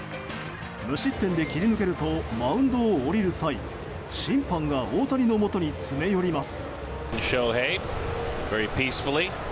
無失点で切り抜けるとマウンドを降りる際、審判が大谷のもとへ詰め寄ります。